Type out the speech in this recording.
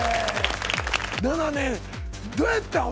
７年どうやったん？